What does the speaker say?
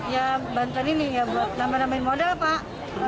ya bantuan ini buat tambah tambahin modal pak